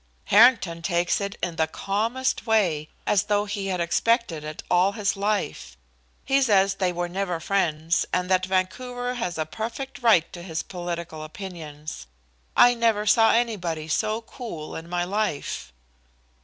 "Harrington takes it in the calmest way, as though he had expected it all his life. He says they were never friends, and that Vancouver has a perfect right to his political opinions. I never saw anybody so cool in my life."